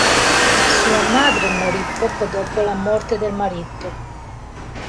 Sua madre morì poco dopo la morte del marito.